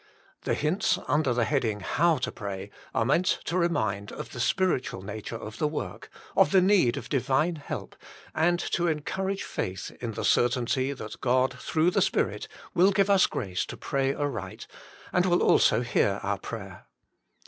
The hints under the heading How to Pray are meant to remind of the spiritual nature of the work, of the need of Divine help, and to encourage faith in the certainty that God, through the Spirit, will give us grace to pray aright, and will also hear our prayer.